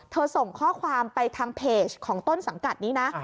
ส่งข้อความไปทางเพจของต้นสังกัดนี้นะ